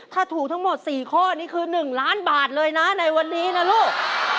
ถ้าถูกทั้งหมด๔ข้อนี่คือ๑ล้านบาทเลยนะในวันนี้นะลูก